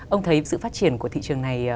ông thấy sự phát triển của thị trường này